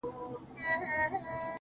د سترگو کسي چي دي سره په دې لوگيو نه سي.